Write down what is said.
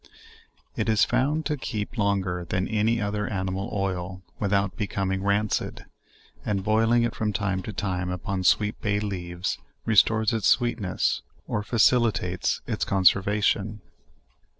It is found to keep longer than any other animal oil, without becoming rancid; and boiling it from time to time, upon sweet bay leaves, restores its sweetness, or facilitates its conservation.